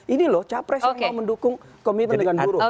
ini loh capres yang mau mendukung komitmen dengan buruh